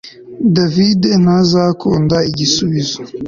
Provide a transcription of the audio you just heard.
davide ntazakunda igisubizo